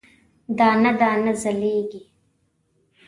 دانه، دانه ځلیږې